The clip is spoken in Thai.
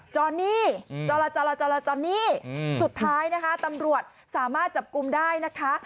จอนนี่จรจรนี่สุดท้ายนะคะตำรวจสามารถจับกลุ่มได้นะคะ